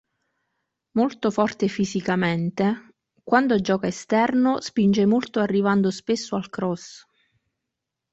Molto forte fisicamente, quando gioca esterno spinge molto arrivando spesso al cross.